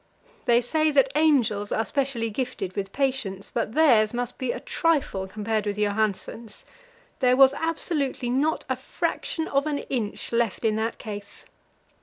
They say that angels are specially gifted with patience, but theirs must be a trifle compared with Johansen's. There was absolutely not a fraction of an inch left in that case.